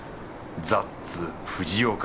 ザッツ藤岡